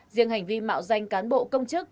riêng hành vi mạo danh cán bộ công chức